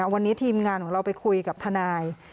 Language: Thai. วันนี้ทีมงานของเราไปคุยกับทนาย